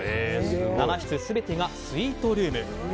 ７室全てがスイートルーム。